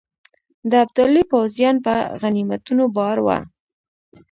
د ابدالي پوځیان په غنیمتونو بار وه.